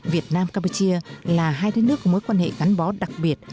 việt nam campuchia là hai đất nước có mối quan hệ gắn bó đặc biệt